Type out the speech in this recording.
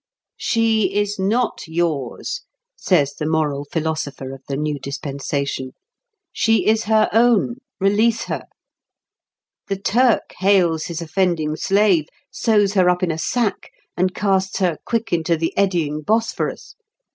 "She is not yours," says the moral philosopher of the new dispensation; "she is her own; release her! The Turk hales his offending slave, sews her up in a sack, and casts her quick into the eddying Bosphorus.